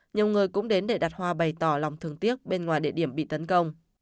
nhiều người cũng đến để đặt hoa bày tỏ lòng thương tiếc bên ngoài địa điểm bị tấn công